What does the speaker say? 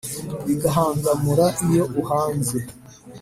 bigahangamura iyo uhanze